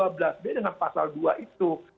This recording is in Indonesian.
beda dengan pasal dua itu